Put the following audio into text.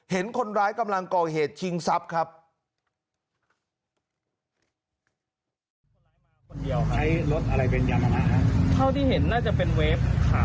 เห็นคนร้ายกำลังก่อเหตุชิงทรัพย์ครับ